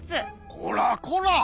こらこら！